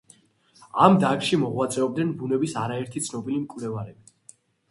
ამ დარგში მოღვაწეობდნენ ბუნების არაერთი ცნობილი მკვლევარები.